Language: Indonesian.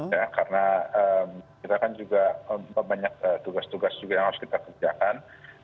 ya karena kita kan juga banyak tugas tugas juga yang harus kita kerjakan